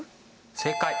正解！